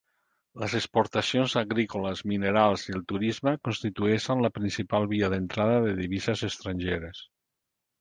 Les exportacions agrícoles, minerals i el turisme constitueixen la principal via d'entrada de divises estrangeres.